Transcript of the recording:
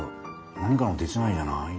「何かの手違いじゃない？」。